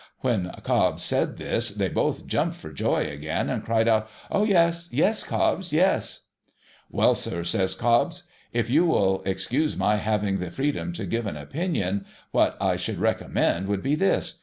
' When Cobbs said this, they both jumped for joy again, and cried out, ' Oh, yes, yes, Cobbs ! Yes !'' Well, sir,' says Cobbs. ' If you will excuse my having the freedom to give an opinion, what I should recommend would be this.